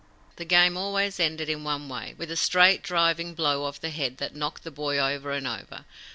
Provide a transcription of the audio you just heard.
The game always ended in one way with a straight, driving blow of the head that knocked the boy over and over.